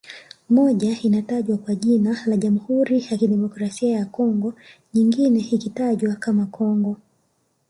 Moja inatajwa kwa jina la Jamhuri ya Kidemokrasia ya Congo nyingine ikitajwa kama Congo